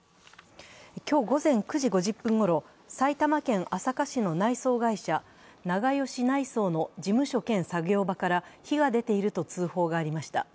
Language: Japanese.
今日午前９時５０分ごろ、埼玉県朝霞市の内装会社長葭内装の事務所兼作業場から火が出ていると通報がありました。